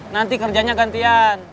nanti kerjanya gantian